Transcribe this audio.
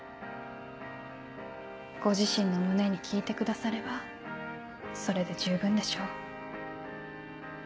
ご自身の胸に聞いてくださればそれで十分でしょう。